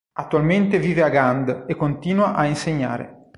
Attualmente vive a Gand e continua a insegnare.